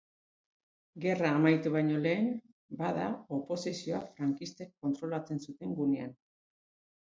Gerra amaitu baino lehen, bada oposizioa frankistek kontrolatzen zuten gunean.